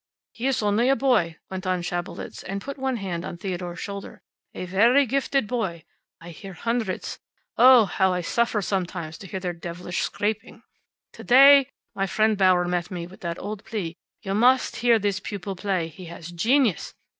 "He is only a boy," went on Schabelitz, and put one hand on Theodore's shoulder. "A very gifted boy. I hear hundreds. Oh, how I suffer, sometimes, to listen to their devilish scraping! To day, my friend Bauer met me with that old plea, `You must hear this pupil play. He has genius.'